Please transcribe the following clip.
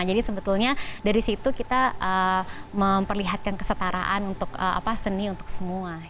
jadi sebetulnya dari situ kita memperlihatkan kesetaraan untuk seni untuk semua